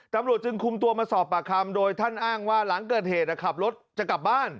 ตำรวจจึงคุมตัวมาสอบปากคำโดยท่านอ้างว่าหลังเกิดเหตุขับรถจะกลับบ้าน